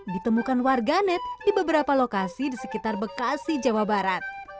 ditemukan warganet di beberapa lokasi di sekitar bekasi jawa barat